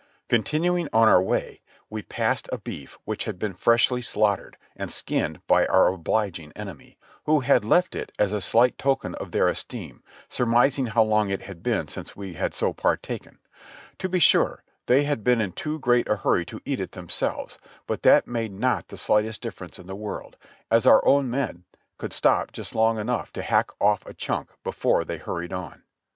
Continuing on our way we passed a beef which had been freshly slaughtered and skinned by our obliging enemy, who had left it as a slight token of their esteem, surmising how long it had been since we had so partaken ; to be sure, they had been in too great a hurry to eat it themselves, but that made not the slightest difference in the world, as our own men could stop just long enough to hack off a chunk before they hurried on.